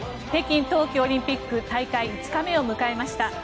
北京冬季オリンピック大会５日目を迎えました。